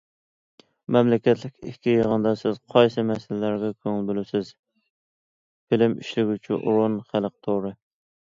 مەملىكەتلىك ئىككى يىغىندا سىز قايسى مەسىلىلەرگە كۆڭۈل بۆلىسىز؟ فىلىم ئىشلىگۈچى ئورۇن: خەلق تورى.